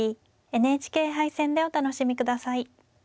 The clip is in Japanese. ＮＨＫ杯戦でお楽しみ下さい。